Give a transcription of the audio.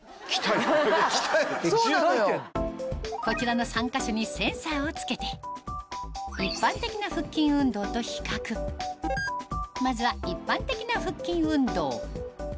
こちらの３か所にセンサーをつけて一般的な腹筋運動と比較まずは一般的な腹筋運動